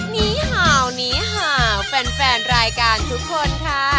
นีฮาวนีฮาวแฟนรายการทุกคนค่ะ